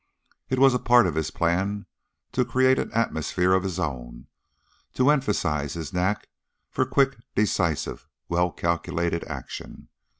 It was a part of his plan to create an atmosphere of his own, to emphasize his knack for quick, decisive, well calculated action.